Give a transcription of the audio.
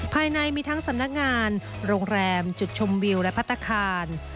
ภายในมีทั้งสำนักงานโรงแรมจุดชมวิวและพัฒนาคาร